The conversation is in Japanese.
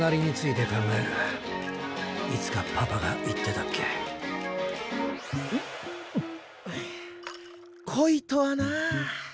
いつかパパが言ってたっけ恋とはなあ。